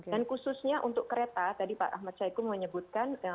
dan khususnya untuk kereta tadi pak ahmad syaikum menyebutkan